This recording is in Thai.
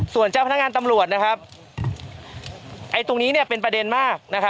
ส่วนเจ้าพนักงานตำรวจตรงนี้เป็นประเด็นมาก